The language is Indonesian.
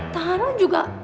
tangan lu juga